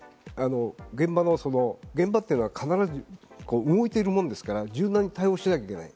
現場というのは動いているものですから柔軟に対応しなきゃいけない。